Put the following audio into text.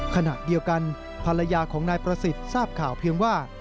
ขณะเดียวกันภรรยาของนายประสิทธิ์ทราบข่าวเพียงว่า